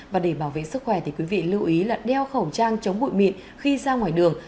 và để bảo vệ sức khỏe thì quý vị lưu ý là đeo khẩu trang chống bụi mịn khi ra ngoài đường